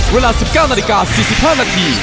เวลา๑๙นาฬิกา๔๕นาที